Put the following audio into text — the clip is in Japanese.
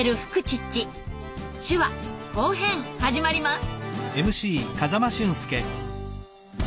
手話・後編始まります。